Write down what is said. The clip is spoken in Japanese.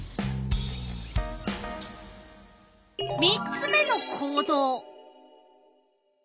３つ目の行動。